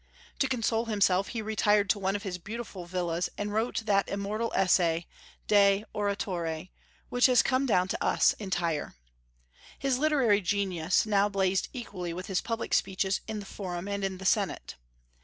To console himself he retired to one of his beautiful villas and wrote that immortal essay, "De Oratore," which has come down to us entire. His literary genius now blazed equally with his public speeches in the Forum and in the Senate.